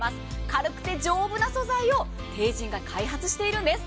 軽くて丈夫な素材をＴＥＩＪＩＮが開発しているんです。